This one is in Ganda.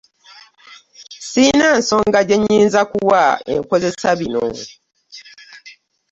Ssirina nsonga gye nnyinza kuwa enkozesa bino.